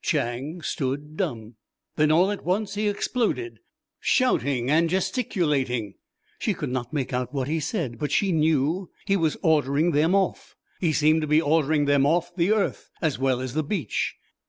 Chang stood dumb. Then all at once he exploded, shouting and gesticulating. She could not make out what he said, but she knew. He was ordering them off. He seemed to be ordering them off the earth as well as the beach.